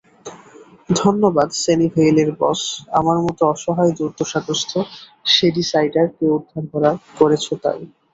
ধন্যবাদ, সানিভেইলের বস, আমার মতো অসহায় দুর্দশাগ্রস্ত শ্যাডিসাইডার কে উদ্ধার করেছো তাই।